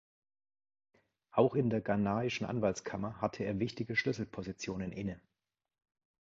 Auch in der ghanaischen Anwaltskammer hatte er wichtige Schlüsselpositionen inne.